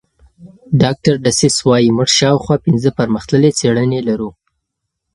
ډاکټر ډسیس وايي موږ شاوخوا پنځه پرمختللې څېړنې لرو.